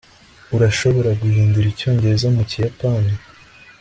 urashobora guhindura icyongereza mukiyapani